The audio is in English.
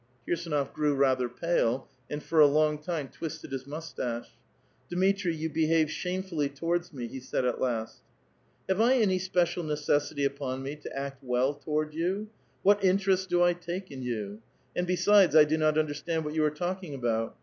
Kirsdnof grew rather pale and for a long time twisted his mustache. ''Dmitri, you behave shamefully towards me," he said at last. " Have I any special necessity upon me to act well toward 3*ou? what interest do I take in you? And besides, I do not understand what you are talking about.